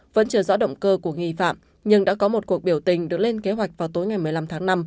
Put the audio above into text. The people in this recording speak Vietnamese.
vẫn chưa rõ động cơ của nghi phạm nhưng đã có một cuộc biểu tình được lên kế hoạch vào tối ngày một mươi năm tháng năm